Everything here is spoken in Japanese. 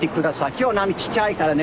今日は波ちっちゃいからね。